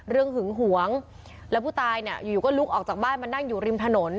เรื่องหึงห่วงและผู้ตายอยู่ก็ลุกออกจากบ้านมานั่งอยู่ริมถนน